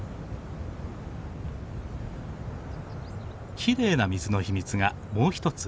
きれいな水の秘密がもう一つ。